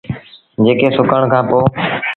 جيڪي سُڪڻ کآݩ پو۔